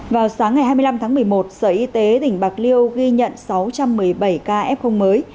vào sáng ngày hai mươi năm tháng một mươi một sở y tế tỉnh bạc liêu ghi nhận sáu trăm một mươi bảy ca f mới